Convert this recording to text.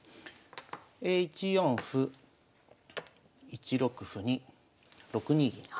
１四歩１六歩に６二銀と。